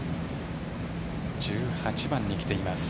１８番に来ています。